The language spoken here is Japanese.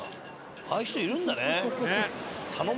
ああいう人いるんだね。